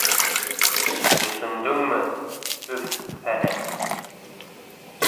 Төшөндөңмө, Өф-Фәләс?